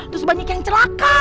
terus banyak yang celaka